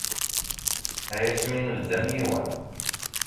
Ay asmi nbedd am yiwen.